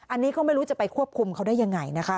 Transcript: อันนี้ก็ไม่รู้จะไปควบคุมเขาได้ยังไงนะคะ